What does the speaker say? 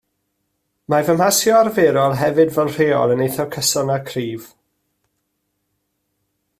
Mae fy mhasio arferol hefyd fel rheol yn eithaf cyson a cryf